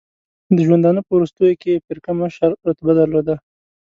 د ژوندانه په وروستیو کې یې فرقه مشر رتبه درلوده.